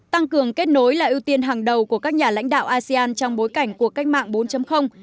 tăng cường kết nối là ưu tiên hàng đầu của các nhà lãnh đạo asean trong bối cảnh cuộc cách mạng bốn